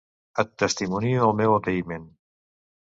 Et testimonio el meu agraïment.